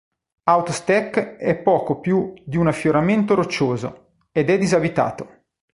Out Stack è poco più di un affioramento roccioso, ed è disabitato.